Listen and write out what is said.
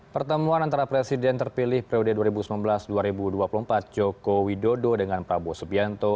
pertemuan antara presiden terpilih periode dua ribu sembilan belas dua ribu dua puluh empat joko widodo dengan prabowo subianto